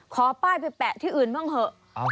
ขอป้ายไปแปะที่อื่นบ้างเถอะ